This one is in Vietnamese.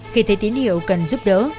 khi thấy tín hiệu cần giúp đỡ